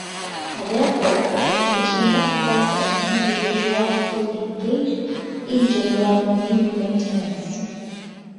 Therefore, it should not cause an individual to engage in general meaning maintenance.